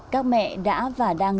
các mẹ đã và đang